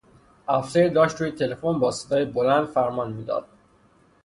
افسری داشت روی تلفن با صدای بلند فرمان میداد.